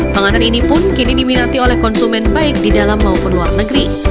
panganan ini pun kini diminati oleh konsumen baik di dalam maupun luar negeri